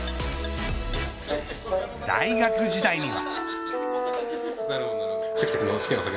大学時代には。